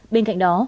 bên cạnh đó